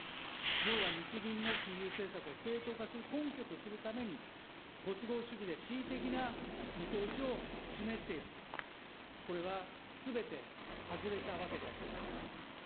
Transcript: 要は日銀の金融政策を正当化する根拠とするために、ご都合主義で恣意的な見通しを示している、これはすべて外れたわけであります。